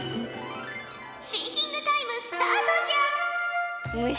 シンキングタイムスタートじゃ！